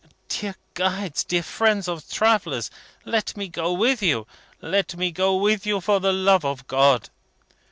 "Dear guides, dear friends of travellers! Let me go with you. Let me go with you for the love of GOD!